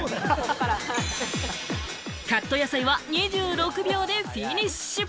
カット野菜は２６秒でフィニッシュ。